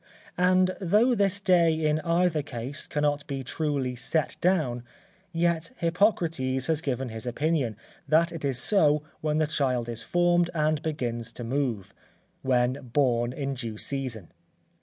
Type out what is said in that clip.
And though this day in either case cannot be truly set down, yet Hippocrates has given his opinion, that it is so when the child is formed and begins to move, when born in due season.